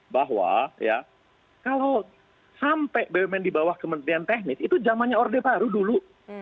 bahwa kalau sampai bumn di bawah kementerian teknis itu zamannya orde baru dulu